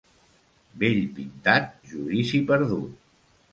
Vell pintat, judici perdut.